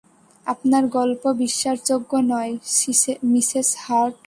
আপনার গল্প বিশ্বাসযোগ্য নয়, মিসেস হার্ট।